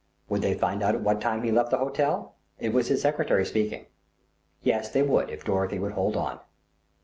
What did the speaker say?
Would they find out at what time he left the hotel? It was his secretary speaking. Yes, they would if Dorothy would hold on.